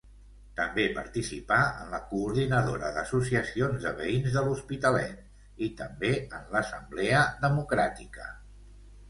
També participà en la Coordinadora d'Associacions de Veïns de l'Hospitalet, i també en l'Assemblea Democràtica.